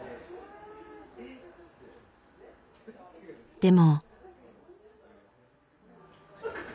でも。